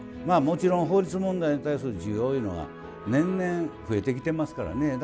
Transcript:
まあもちろん法律問題に対する需要ゆうのが年々増えてきてますからね。